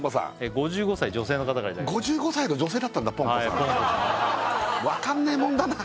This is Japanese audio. ５５歳女性の方からいただきました５５歳の女性だったんだぽんこさんわかんねえもんだな